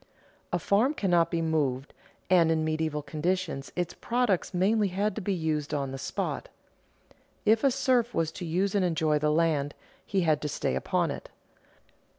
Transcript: A farm cannot be moved, and in medieval conditions its products mainly had to be used on the spot. If the serf was to use and enjoy the land, he had to stay upon it.